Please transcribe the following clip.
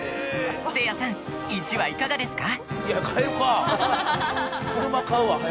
せいやさん、１羽いかがですか？